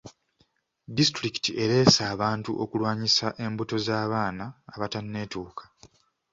Disitulikiti ereese abantu okulwanisa embuto ez'abaana abatanneetuuka.